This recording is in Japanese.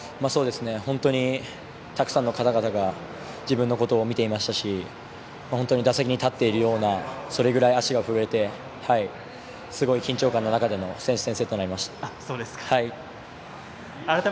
本当に、たくさんの方々が自分のことを見ていましたし本当に、打席に立っているようなそれぐらい足が震えてすごい緊張感の中での選手宣誓となりました。